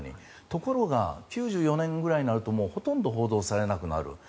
ところが９４年ぐらいになるとほとんど報道されなくなる。